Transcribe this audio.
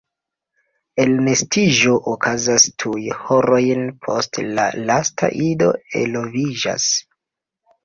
Elnestiĝo okazas tuj horojn post la lasta ido eloviĝas.